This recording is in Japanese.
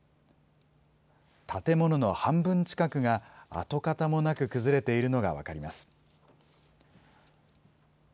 建物の半分近くが跡形もなく崩れているのが分かります。